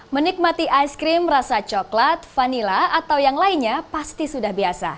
menikmati ice cream rasa coklat vanila atau yang lainnya pasti sudah biasa